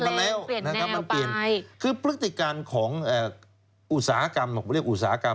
เปลี่ยนแนวไปมันเปลี่ยนคือปฤติการของอุตสาหกรรมเรียกว่าอุตสาหกรรม